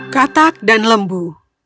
katak dan lembu